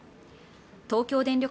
東京電力